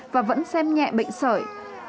và vẫn xem nhẹ bệnh sởi